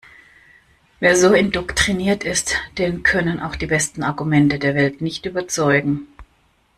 Wer so indoktriniert ist, den können auch die besten Argumente der Welt nicht überzeugen.